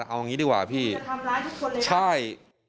เอาอย่างนี้ดีกว่าพี่ใช่